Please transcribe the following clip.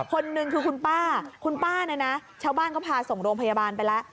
คนหนึ่งคือคุณป้าว่าชาวบ้านก็พาส่งโรงพยาบาลไปแล้ว